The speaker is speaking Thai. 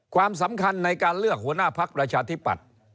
ความสำคัญในการเลือกหัวหน้าพักประชาธิปัตย์